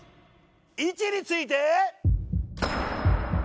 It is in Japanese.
位置について。